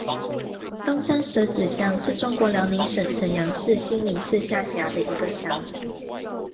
东蛇山子乡是中国辽宁省沈阳市新民市下辖的一个乡。